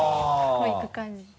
こう行く感じです。